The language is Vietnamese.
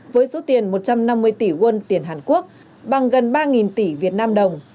với số tiền một trăm năm mươi tỷ won tiền hàn quốc bằng gần ba tỷ việt nam đồng